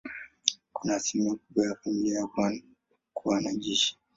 Kuna asilimia kubwa ya familia ya Van kuwa wanajeshi.